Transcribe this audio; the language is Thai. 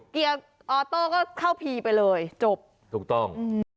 เกียร์ออโต้ก็เข้าพีไปเลยจบถูกต้อง